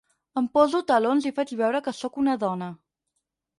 Em poso talons i faig veure que sóc una dona.